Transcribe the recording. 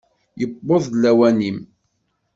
Yewweḍ-d lawan-im!